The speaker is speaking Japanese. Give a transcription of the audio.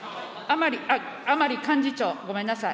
甘利幹事長、ごめんなさい。